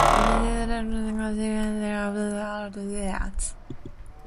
The Archives includes a public reference room, exhibition gallery, conservation laboratory, and art vaults.